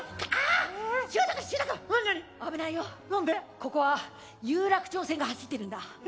ここは有楽町線が走ってるんだ。